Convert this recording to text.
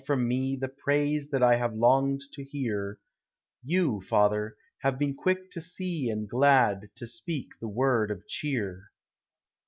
from me The praise that I have longed to hear, Y>u, Father, have been quick to see Ar^d glad to speak the word of cheer.